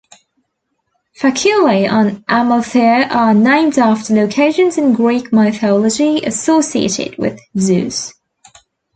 Faculae on Amalthea are named after locations in Greek mythology associated with Zeus.